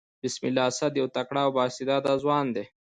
بسم الله اسد يو تکړه او با استعداده ځوان دئ.